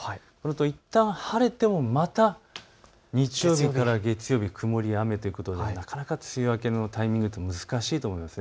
いったん晴れてもまた日曜日から月曜日、曇りや雨ということでなかなか梅雨明けのタイミング、難しいと思います。